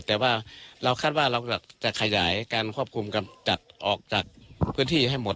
แต่ว่าเราคาดว่าเราจะขยายการควบคุมออกจากพื้นที่ให้หมด